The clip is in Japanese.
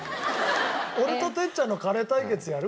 俺と哲ちゃんのカレー対決やる？